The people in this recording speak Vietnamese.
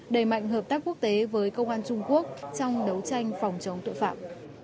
đẩy mạnh hợp tác quốc tế với công an trung quốc trong đấu tranh phòng chống tội phạm